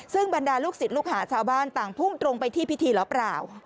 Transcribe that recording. ซึ่งบรรดาลูกศิษย์ลูกหาชาวบ้านต่างพุ่งตรงไปที่พิธีหรือเปล่า